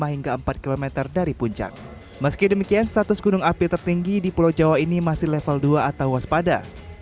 lima hingga empat km dari puncak meski demikian status gunung api tertinggi di pulau jawa ini masih level dua atau waspada